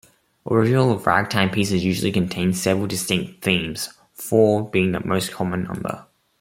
Original ragtime pieces usually contain several distinct themes, four being the most common number.